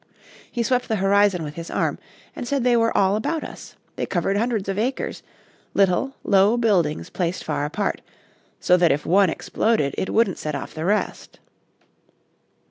He swept the horizon with his arm, and said they were all about us; they covered hundreds of acres little, low buildings placed far apart, so that if one exploded it wouldn't set off the rest.